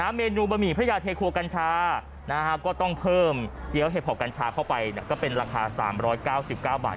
เมนูบะหมี่พระยาเทครัวกัญชาก็ต้องเพิ่มเกี้ยวเห็บหอบกัญชาเข้าไปก็เป็นราคา๓๙๙บาท